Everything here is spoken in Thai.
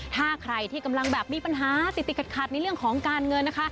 ถ้าใครที่กำลังแบบมีปัญหาติดขัดในเรื่องของการเงินนะคะ